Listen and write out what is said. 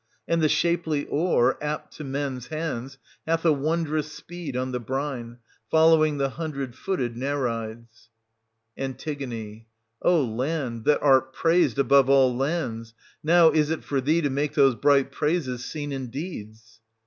And the shapely oar, apt to men's hands, hath a won drous speed on the brine, following the hundred footed Nereids. An. O land that art praised above all lands, now is 720 it for thee to make those bright praises seen in deeds